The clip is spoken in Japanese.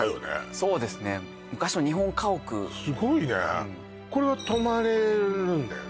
そうですね昔の日本家屋すごいねこれは泊まれるんだよね